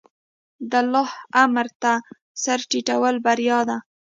د الله امر ته سر ټیټول بریا ده.